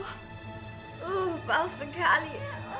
uh palsu sekali